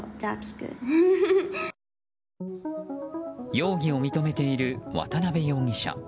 容疑を認めている渡辺容疑者。